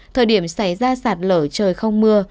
thời điểm xảy ra sạt lở trời không mưa